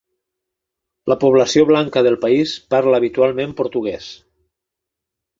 La població blanca del país parla habitualment portuguès.